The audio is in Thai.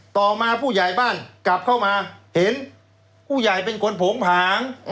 ต่อมาผู้ใหญ่บ้านกลับเข้ามาเห็นผู้ใหญ่เป็นคนโผงผาง